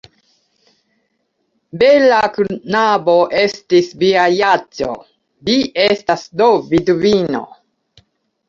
Bela knabo estis via Jaĉjo; vi estas do vidvino!